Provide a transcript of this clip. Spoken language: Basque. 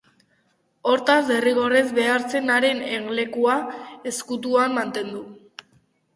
Hortaz, derrigorrez behar zen haren egonlekua ezkutuan mantendu.